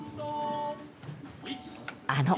あの